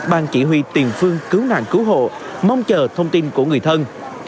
ban chỉ huy tiền phương cứu nạn cứu hộ mong chờ thông tin của người thân